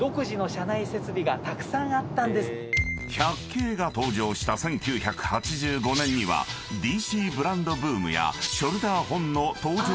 ［１００系が登場した１９８５年にはＤＣブランドブームやショルダーホンの登場など